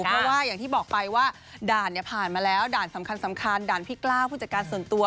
เพราะว่าอย่างที่บอกไปว่าด่านเนี่ยผ่านมาแล้วด่านสำคัญด่านพี่กล้าวผู้จัดการส่วนตัว